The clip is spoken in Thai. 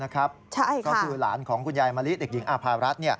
ก็คือหลานของคุณยายมะลิเด็กหญิงอาภารัฐ